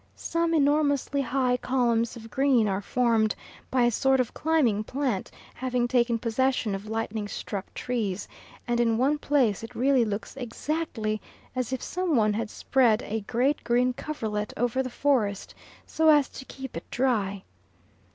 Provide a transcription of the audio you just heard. Some enormously high columns of green are formed by a sort of climbing plant having taken possession of lightning struck trees, and in one place it really looks exactly as if some one had spread a great green coverlet over the forest, so as to keep it dry.